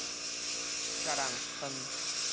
共人嗙